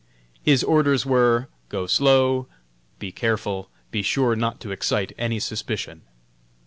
"His orders were: Go slow; be careful; be sure not to excite any suspicion."